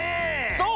そう！